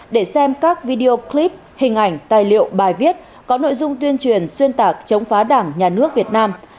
để xem các video clip hình ảnh tài liệu bài viết có nội dung tuyên truyền xuyên tạc chống phá đảng nhà nước việt nam